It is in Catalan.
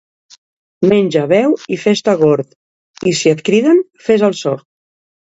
Menja, beu i fes-te «gord», i si et criden, fes el sord.